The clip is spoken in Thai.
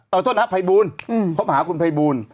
เอาโทษนะฮะภัยบูรณ์คบหาคุณภัยบูรณ์